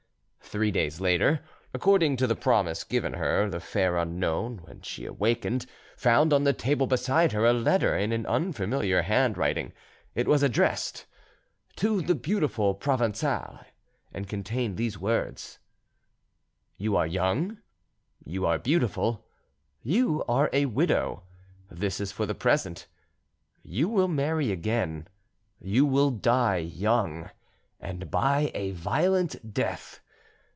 Three days later, according to the promise given her, the fair unknown, when she awakened, found on the table beside her a letter in an unfamiliar handwriting; it was addressed "To the beautiful Provencale," and contained these words— "You are young; you are beautiful; you are a widow. This is for the present. "You will marry again; you will die young, and by a violent death.